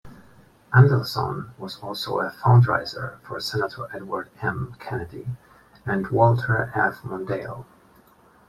Andelson was also a fund-raiser for Senator Edward M. Kennedy and Walter F. Mondale.